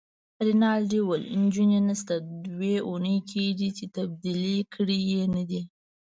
رینالډي وویل: نجونې نشته، دوې اونۍ کیږي چي تبدیلي کړي يې نه دي.